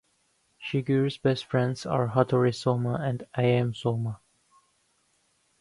Shigure's best friends are Hatori Sohma and Ayame Sohma.